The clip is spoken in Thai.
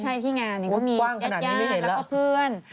ใช่ที่งานนี้ก็มีแยกแล้วก็เพื่อน